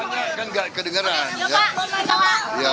banyak kan gak kedengeran ya